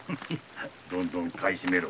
どんどん買い占めろ。